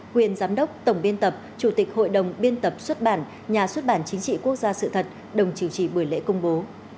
quyền giám đốc tổng biên tập chủ tịch hội đồng biên tập xuất bản nhà xuất bản chính trị quốc gia sự thật đồng chủ trì buổi lễ công bố